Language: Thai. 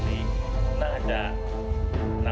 มีความรู้สึกว่า